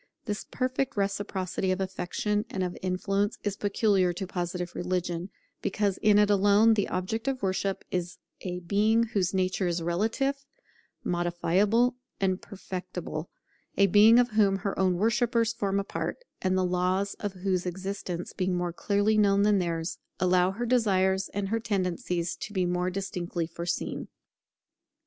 This perfect reciprocity of affection and of influence is peculiar to Positive religion, because in it alone the object of worship is a Being whose nature is relative, modifiable, and perfectible; a Being of whom her own worshippers form a part, and the laws of whose existence, being more clearly known than theirs, allow her desires and her tendencies to be more distinctly foreseen.